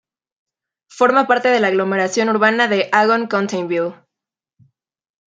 Forma parte de la aglomeración urbana de Agon-Coutainville.